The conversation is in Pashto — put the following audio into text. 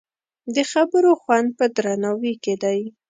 د خبرو خوند په درناوي کې دی